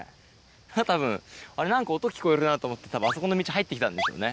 たぶん、あれなんか音聞こえるなと思って、たぶんあそこの道入ってきたんでしょうね。